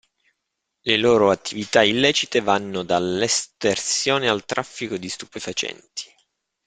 Le loro attività illecite vanno dall'estersione al traffico di stupefacenti.